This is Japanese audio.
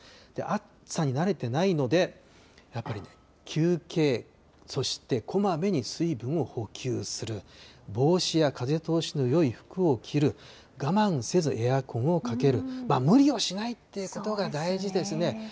暑さに慣れてないので、やっぱりね、休憩、そしてこまめに水分を補給する、帽子や風通しのよい服を着る、我慢せずエアコンをかける、無理をしないっていうことが大事ですね。